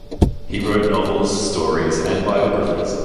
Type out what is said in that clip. He wrote novels, stories and biographies.